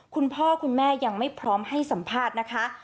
คุณพ่อคุณแม่ยังไม่พร้อมให้สัมภาษณ์นะคะ